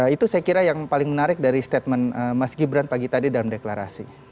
itu saya kira yang paling menarik dari statement mas gibran pagi tadi dalam deklarasi